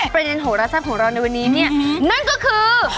ประเด็นโหราแซ่บของเราในวันนี้เนี่ยนั่นก็คือ